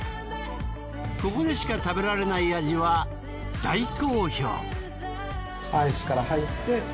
ここでしか食べられない味は大好評。